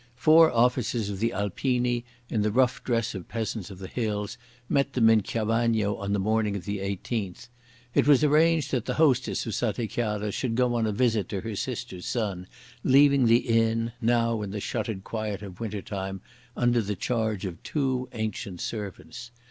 Four officers of the Alpini, in the rough dress of peasants of the hills, met them in Chiavagno on the morning of the 18th. It was arranged that the hostess of Santa Chiara should go on a visit to her sister's son, leaving the inn, now in the shuttered quiet of wintertime, under the charge of two ancient servants.